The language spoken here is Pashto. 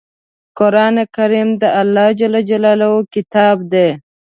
قرآن کریم د الله ﷺ کتاب دی.